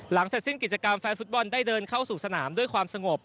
เสร็จสิ้นกิจกรรมแฟนฟุตบอลได้เดินเข้าสู่สนามด้วยความสงบ